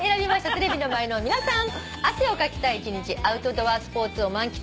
テレビの前の皆さん。